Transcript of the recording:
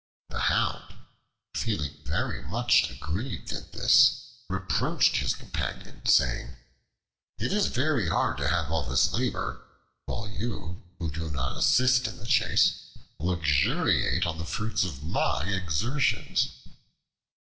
The Hound, feeling much aggrieved at this, reproached his companion, saying, "It is very hard to have all this labor, while you, who do not assist in the chase, luxuriate on the fruits of my exertions."